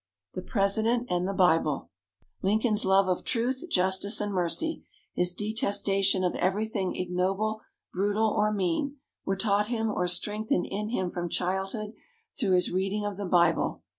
THE PRESIDENT AND THE BIBLE Lincoln's love of truth, justice, and mercy, his detestation of everything ignoble, brutal, or mean, were taught him or strengthened in him from childhood through his reading of the Bible.